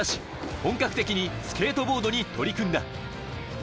本格的にスケートボードに取り組んだ。